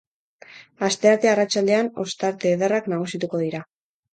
Astearte arratsaldean ostarte ederrak nagusituko dira.